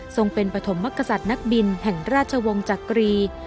ส่งเป็นปฐมมกษัตริย์นักบินแห่งราชวงศ์จักรี